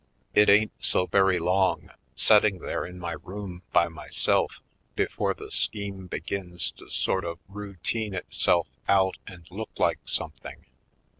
It ain't so very long, setting there in my room by myself, before the scheme begins to sort of routine itself out and look like something.